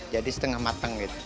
jadi setengah matang gitu